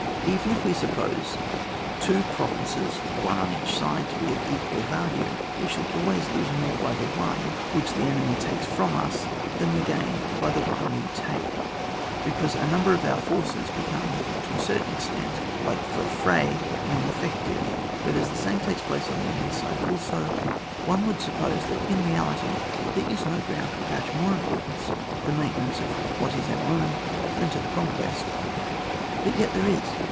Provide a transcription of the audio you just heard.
Even if we suppose two provinces (one on each side) to be of equal value, we shall always lose more by the one which the enemy takes from us than we can gain by the one we take, be cause a number of our forces become to a certain extent ]ik e faux f rats, non effective. But as the same takes place on the enemy's side also, one would suppose that in reality there is no ground to attach more importance to the maintenance of what is our own than to the conquest. But yet there is.